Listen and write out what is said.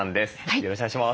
よろしくお願いします。